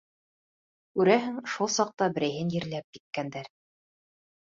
Күрәһең, шул саҡта берәйһен ерләп киткәндәр...